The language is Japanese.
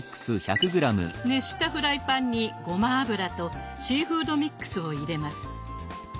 熱したフライパンにごま油とシーフードミックスを入れます。